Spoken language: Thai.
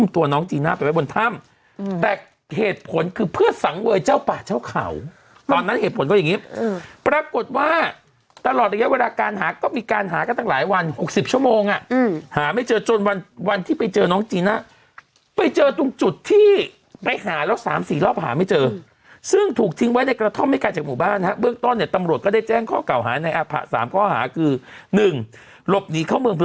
แต่เหตุผลคือเพื่อสังเวยเจ้าป่าเจ้าเขาตอนนั้นเหตุผลก็อย่างงี้ปรากฏว่าตลอดระยะเวลาการหาก็มีการหาก็ตั้งหลายวัน๖๐ชั่วโมงอ่ะหาไม่เจอจนวันที่ไปเจอน้องจีน่ะไปเจอตรงจุดที่ไปหาแล้ว๓๔รอบหาไม่เจอซึ่งถูกทิ้งไว้ในกระท่อมให้ก่อนจากหมู่บ้านเบื้องต้นเนี่ยตำรวจก็ได้แจ้งข้อเ